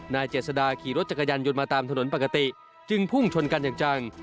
นายเจษฎาขี่รถจักรยันต์หยุดมาตามถนนปกติจึงพุ่งชนกันจังจัง